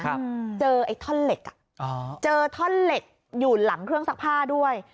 ครับเจอไอ้ท่อนเหล็กอ่ะอ๋อเจอท่อนเหล็กอยู่หลังเครื่องซักผ้าด้วย